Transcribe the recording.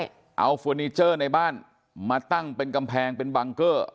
ใช่เอาเฟอร์นิเจอร์ในบ้านมาตั้งเป็นกำแพงเป็นบังเกอร์